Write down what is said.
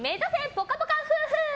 ぽかぽか夫婦！